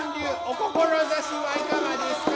お志はいかがですか？